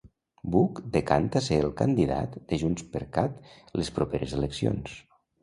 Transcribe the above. Buch decanta ser el candidat de JxCat les properes eleccions.